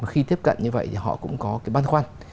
khi tiếp cận như vậy thì họ cũng có cái băn khoăn